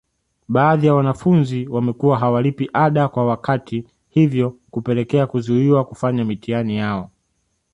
Baadhi ya wanafunzi wamekuwa hawalipi ada kwa wakati hivyo kupelekea kuzuiwa kufanya mitihani yao